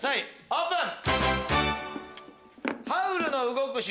オープン！